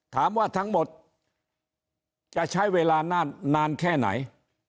ถามว่าทั้งหมดจะใช้เวลานานแค่ไหน